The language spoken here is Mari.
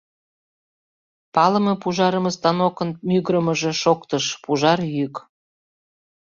Палыме пужарыме станокын мӱгырымыжӧ шоктыш, пужар йӱк.